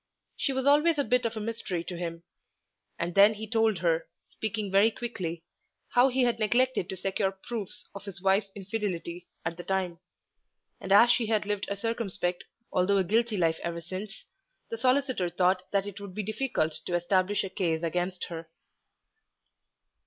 She was always a bit of a mystery to him. And then he told her, speaking very quickly, how he had neglected to secure proofs of his wife's infidelity at the time; and as she had lived a circumspect although a guilty life ever since, the solicitor thought that it would be difficult to establish a case against her.